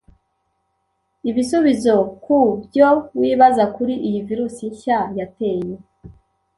Ibisubizo ku byo wibaza kuri iyi Virus nshya yateye